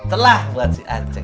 telah buat si achen